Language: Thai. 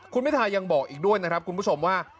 คุณพิทายังบอกอีกด้วยนะครับคุณผู้ชมว่า